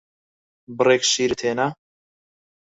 بڕێک شیرت هێنا؟